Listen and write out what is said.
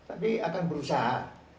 tapi akan berusaha